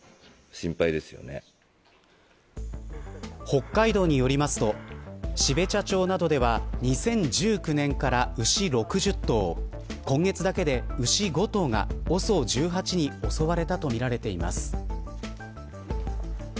北海道によりますと標茶町などでは２０１９年から牛６０頭今月だけで牛５頭がＯＳＯ１８に襲われたとみられています。